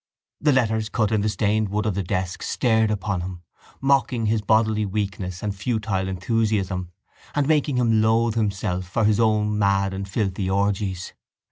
The letters cut in the stained wood of the desk stared upon him, mocking his bodily weakness and futile enthusiasms and making him loathe himself for his own mad and filthy orgies.